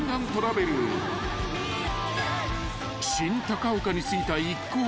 ［新高岡に着いた一行